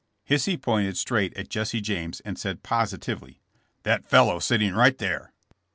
Hisey pointed straight at Jesse James and said positively : *'That fellow sitting right there."